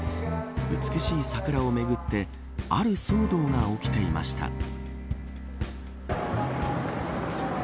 美しい桜をめぐってある騒動が起きていました。